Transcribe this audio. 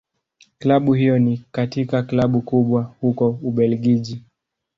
Klabu hiyo ni katika Klabu kubwa huko Ubelgiji.